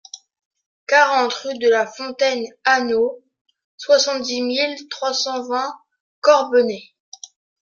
quarante rue de la Fontaine Anneau, soixante-dix mille trois cent vingt Corbenay